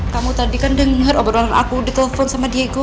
kamu tadi kan denger obrolan aku di telepon sama diego